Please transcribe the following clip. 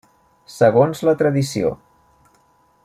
Segons la tradició.